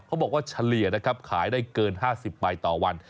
เฉลี่ยนะครับขายได้เกิน๕๐ใบต่อวัน